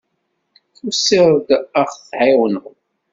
Tusiḍ-d ad ɣ-tɛiwneḍ?